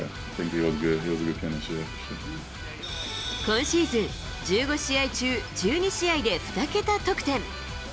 今シーズン、１５試合中１２試合で２桁得点。